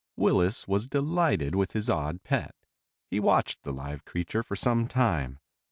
Willis was delighted with his odd pet. He watched the live creature for some time.